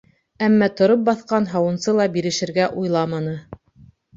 Әммә тороп баҫҡан һауынсы ла бирешергә уйламаны: